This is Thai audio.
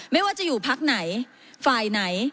ไม่ว่าจะอยู่พักไหนฝ่ายไหน